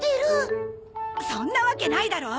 そんなわけないだろ。